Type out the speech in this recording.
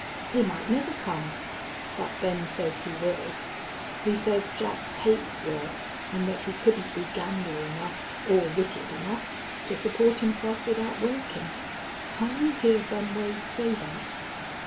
He might never come. But Ben says he will. He says Jack hates work and that he couldn't be gambler enough or wicked enough to support himself without working. Can't you hear Ben Wade say that?